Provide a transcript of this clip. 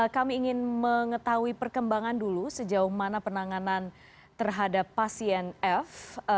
kami ingin mengetahui perkembangan dulu sejauh mana penanganan terhadap pasien f